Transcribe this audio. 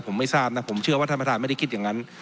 ผมไม่ทราบนะผมเชื่อว่าท่านประธานไม่ได้คิดอย่างนั้น